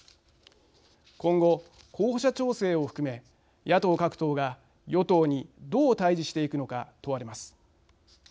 今後候補者調整を含め野党各党が与党にどう対じしていくのか問われます。